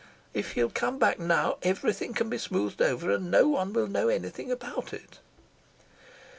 If he'll come back now everything can be smoothed over, and no one will know anything about it."